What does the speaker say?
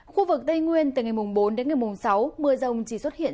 khu vực tây nguyên từ ngày mùng bốn đến ngày mùng sáu mưa rồng chỉ xuất hiện